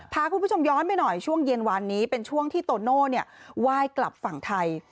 พาคุณผู้ชมย้อนไปหน่อยช่วงเย็นวานนี้เป็นช่วงที่โตโน่ไหว้กลับฝั่งไทย